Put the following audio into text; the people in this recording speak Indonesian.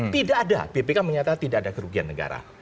tidak ada bpk menyatakan tidak ada kerugian negara